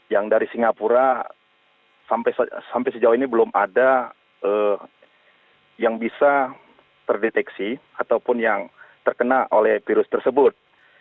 yang dari singapura sampai sejauh ini belum ada yang bisa terdeteksi ataupun yang terkena oleh virus tersebut